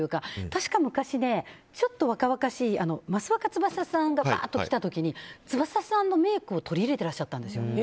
確か昔、ちょっと若々しい益若つばささんがわっときた時につばささんもメイクを取り入れていらっしゃったんですね。